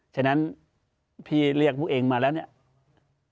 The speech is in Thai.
ฉะนั้นพี่เรียกพวกเองมาแล้วเนี่ย